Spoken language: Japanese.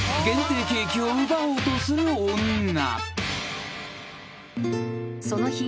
［限定ケーキを奪おうとする女］